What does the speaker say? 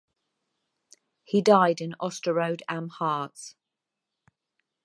He died in Osterode am Harz.